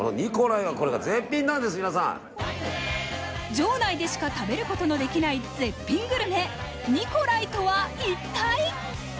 場内でしか食べることのできない絶品グルメ、ニコライとは一体？